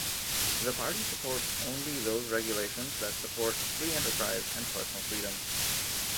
The party supports only those regulations that support free enterprise and personal freedoms.